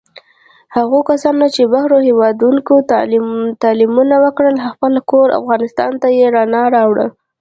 هغو کسانو چې بهر هېوادونوکې تعلیمونه وکړل، خپل کور افغانستان ته یې رڼا راوړله.